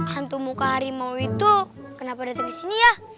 hantu muka harimau itu kenapa dateng kesini ya